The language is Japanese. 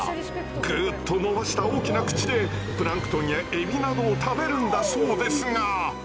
グーッとのばした大きな口でプランクトンやエビなどを食べるんだそうですが。